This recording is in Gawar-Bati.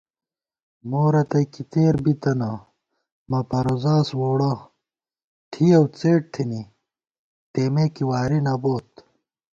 مو رتئ کی تېر بِتَنہ مہ پروزاس ووڑہ تھِیَؤ څېڈ تھنی تېمے کی واری نہ بوت